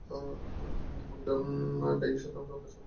প্রকৃত ডায়োড সাধারণত আদর্শ মান থেকে বিচ্যুতি প্রদর্শন করে।